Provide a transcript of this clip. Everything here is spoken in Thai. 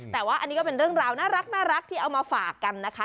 แต่ว่าอันนี้ก็เป็นเรื่องราวน่ารักที่เอามาฝากกันนะคะ